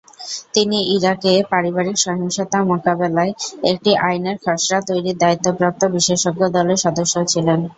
তিনি ইরাকে পারিবারিক সহিংসতা মোকাবিলায় একটি আইনের খসড়া তৈরির দায়িত্বপ্রাপ্ত বিশেষজ্ঞ দলের সদস্যও ছিলেন।